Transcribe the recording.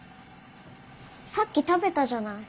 さっき食べたじゃない。